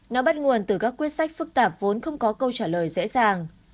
nó bắt nguồn từ các quyết sách phức tạp vốn không có câu trả lời dễ dàng